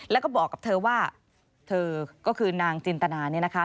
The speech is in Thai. แล้วก็บอกกับเธอว่าเธอก็คือนางจินตนาเนี่ยนะคะ